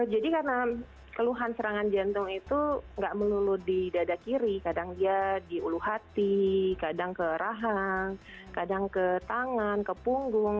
jadi karena keluhan serangan jantung itu gak melulu di dada kiri kadang dia di ulu hati kadang ke rahang kadang ke tangan ke punggung